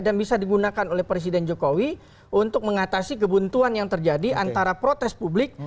dan bisa digunakan oleh presiden jokowi untuk mengatasi kebuntuan yang terjadi antara protes publik